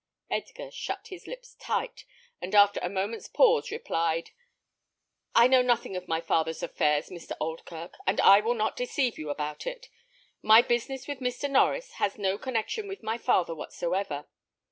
Edgar shut his lips tight; and after a moment's pause replied, "I know nothing of my father's affairs, Mr. Oldkirk, and I will not deceive you about it. My business with Mr. Norries has no connexion with my father whatsoever.